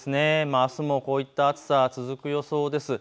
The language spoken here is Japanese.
あすもこういった暑さ、続く予想です。